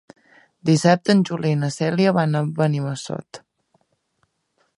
Dissabte en Juli i na Cèlia van a Benimassot.